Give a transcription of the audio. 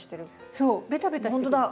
そうベタベタしてくるの。